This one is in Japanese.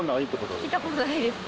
聞いたことないですね。